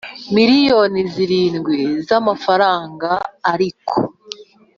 Miliyoni zirindwi frw ariko